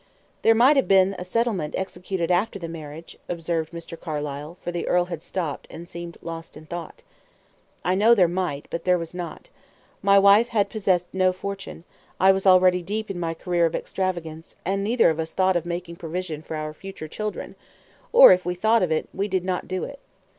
"There might have been a settlement executed after the marriage," observed Mr. Carlyle, for the earl had stopped, and seemed lost in thought. "I know there might; but there was not. My wife had possessed no fortune; I was already deep in my career of extravagance, and neither of us thought of making provision for our future children; or, if we thought of it, we did not do it.